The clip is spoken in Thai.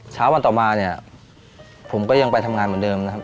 เช้าวันต่อมาเนี่ยผมก็ยังไปทำงานเหมือนเดิมนะครับ